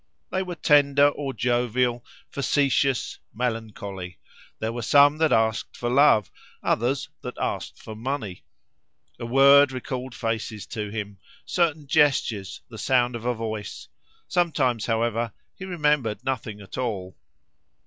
They were tender or jovial, facetious, melancholy; there were some that asked for love, others that asked for money. A word recalled faces to him, certain gestures, the sound of a voice; sometimes, however, he remembered nothing at all.